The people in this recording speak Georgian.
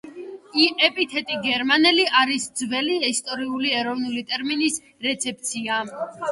ეპითეტი „გერმანელი“ არის ძველი ისტორიული ეროვნული ტერმინის „რეცეფცია“.